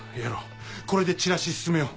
これでチラシ進めよう。